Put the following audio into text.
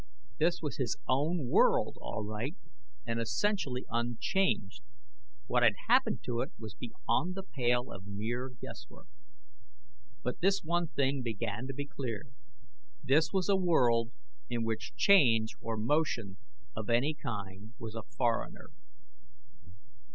This was his own world, all right, and essentially unchanged. What had happened to it was beyond the pale of mere guesswork. But this one thing began to be clear: This was a world in which change or motion of any kind was a foreigner.